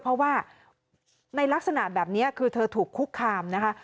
เพราะว่าในลักษณะแบบนี้คือเธอถูกคุกคามนะคะ